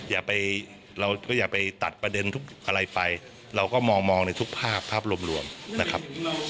อย่าไปเราก็อย่าไปตัดประเด็นทุกอะไรไปเราก็มองในทุกภาพภาพรวมนะครับ